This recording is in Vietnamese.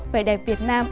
vẻ đẹp việt nam